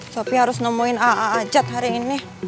sopi harus nemuin aa ajat hari ini